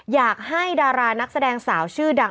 อยากให้ดารานักแสดงสาวชื่อดัง